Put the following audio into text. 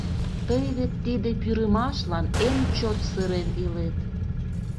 Тый вет тиде пӱрымашлан эн чот сырен илет.